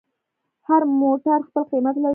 هر موټر خپل قیمت لري.